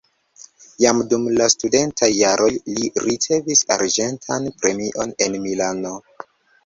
Jam dum la studentaj jaroj li ricevis arĝentan premion en Milano.